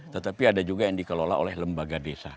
tetapi ada juga yang dikelola oleh lembaga desa